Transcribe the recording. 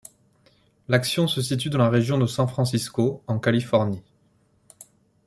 L'action se situe dans la région de San Francisco, en Californie.